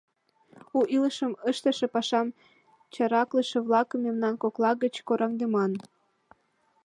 У илышым ыштыше пашам чараклыше-влакым мемнан кокла гыч кораҥдыман.